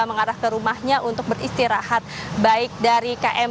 mengarah ke rumahnya untuk beristirahat baik dari km